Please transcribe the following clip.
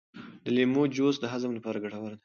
د لیمو جوس د هضم لپاره ګټور دی.